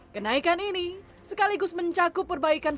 kenaikan ini sekaligus mencakup perbaikan